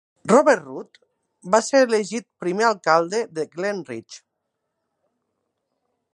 Robert Rudd va ser elegit primer alcalde de Glen Ridge.